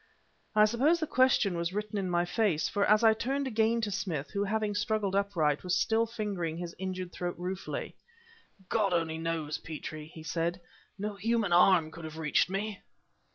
I suppose the question was written in my face; for, as I turned again to Smith, who, having struggled upright, was still fingering his injured throat ruefully: "God only knows, Petrie!" he said; "no human arm could have reached me..."